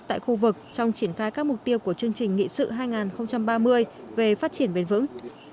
tại khu vực trong triển khai các mục tiêu của chương trình nghị sự hai nghìn ba mươi về phát triển bền vững